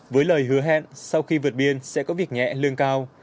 với lời hứa hẹn sau khi vượt biên sẽ có việc nhẹ lương cao